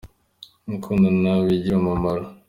Gukundana bigira umumaro.